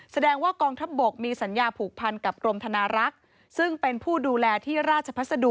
แสดงว่ากองทัพบกมีสัญญาผูกพันกับกรมธนารักษ์ซึ่งเป็นผู้ดูแลที่ราชพัสดุ